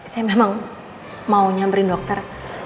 saya memang mau nyamperin dokter